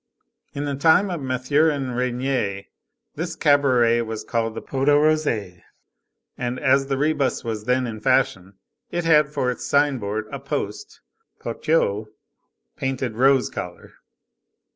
In the time of Mathurin Regnier, this cabaret was called the Pot aux Roses, and as the rebus was then in fashion, it had for its sign board, a post (poteau) painted rose color.